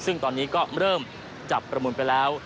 ซึ่งตอนนี้ก็เริ่มจับประมูลไปแล้ว